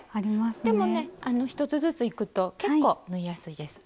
でもね１つずついくと結構縫いやすいです。